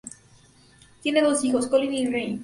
Tiene dos hijos, Collin y Ry.